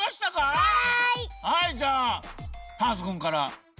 はいじゃあターズくんから。